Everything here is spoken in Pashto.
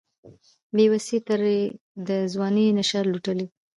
بیوسۍ ترې د ځوانۍ نشه لوټلې